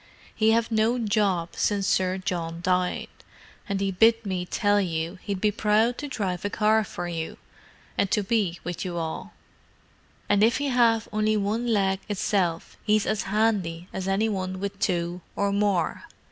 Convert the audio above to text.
He have no job since Sir John died, and he bid me tell you he'd be proud to drive a car for you, and to be with ye all. And if he have only one leg itself he's as handy as any one with two or more.